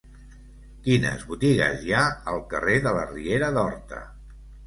Quines botigues hi ha al carrer de la Riera d'Horta?